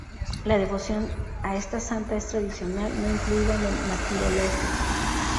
La devoción a esta santa es tradicional, no incluida en el Martirologio.